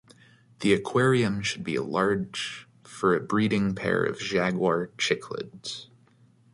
The aquarium should be large for a breeding pair of jaguar cichlids.